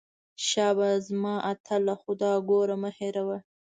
شابه زما اتله خو دا ګوره مه هېروه.